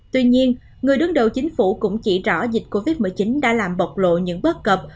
tuy nhiên người đứng đầu chính phủ cũng chỉ rõ dịch covid một mươi chín đã làm bộc lộ những bất cập